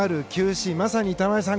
Ｃまさに玉井さん